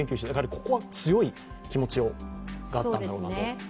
ここは強い気持ちがあったんだろうなと。